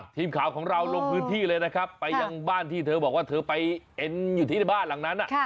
ทีมข่าวของเราลงพื้นที่เลยนะครับไปยังบ้านที่เธอบอกว่าเธอไปเอ็นอยู่ที่บ้านหลังนั้น